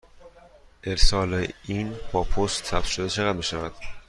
ارسال این با پست ثبت شده چقدر می شود؟